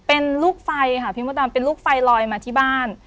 เป็นลูกไฟค่ะพี่มดดำเป็นลูกไฟลอยมาที่บ้าน